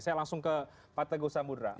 saya langsung ke pak teguh samudera